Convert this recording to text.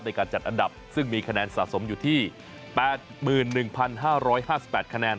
ในการจัดอันดับซึ่งมีคะแนนสะสมอยู่ที่๘๑๕๕๘คะแนน